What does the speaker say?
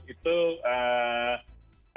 itu juga bisa mengubah